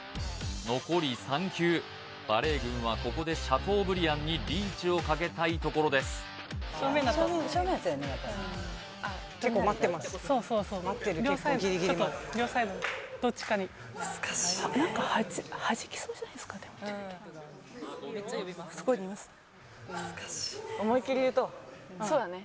残り３球バレー軍はここでシャトーブリアンにリーチをかけたいところです待ってる結構ギリギリまで・そうだね・